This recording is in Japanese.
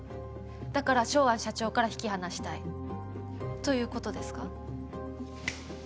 だからショウアン社長から引き離したい。ということですか？